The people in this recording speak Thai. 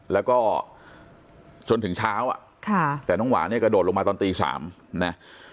แล้วก็จนถึงเช้าอ่ะค่ะแต่น้องหวานเนี่ยกระโดดลงมาตอนตี๓นะ